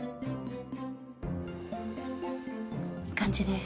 いい感じです。